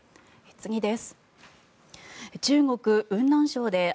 次です。